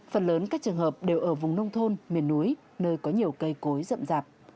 phần lớn các trường hợp đều ở vùng nông thôn miền núi nơi có nhiều cây cối rậm rạp